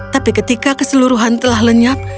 tapi ketika keseluruhan telah lenyap